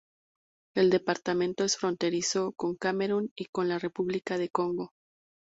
El departamento es fronterizo con Camerún y con la República del Congo.